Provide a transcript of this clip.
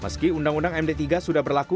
meski undang undang md tiga sudah berlaku